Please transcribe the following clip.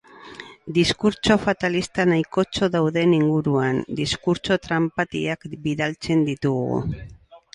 Diskurtso fatalista nahikotxo daude inguruan; diskurtso tranpatiak bidaltzen ditugu.